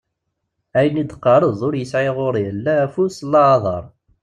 Ayen i d-teqqareḍ ur yesɛi ɣur-i la afus la aḍar.